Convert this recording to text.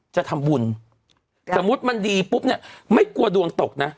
จะทำบุญสมมุติมันดีปุ๊บเนี่ยไม่กลัวดวงตกนะ